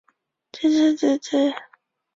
但这次传位并没有得到国际承认。